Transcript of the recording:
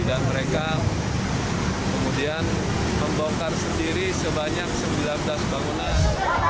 dan mereka kemudian membongkar sendiri sebanyak sembilan belas bangunan